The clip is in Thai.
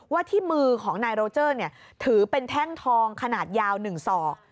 ว่าที่มือของนายโรเจอร์เนี่ยถือเป็นแท่งทองขนาดยาวหนึ่งศอก